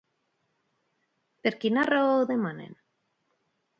Per quina raó ho demanen?